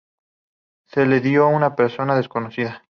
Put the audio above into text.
Se lo dio una persona desconocida.